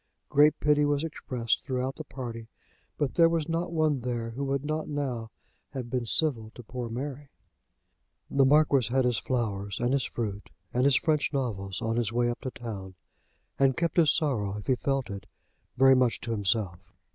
Great pity was expressed throughout the party, but there was not one there who would not now have been civil to poor Mary. The Marquis had his flowers, and his fruit, and his French novels on his way up to town, and kept his sorrow, if he felt it, very much to himself.